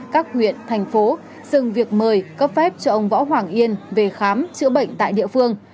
các huyện thành phố dừng việc mời cấp phép cho ông võ hoàng yên về khám chữa bệnh tại địa phương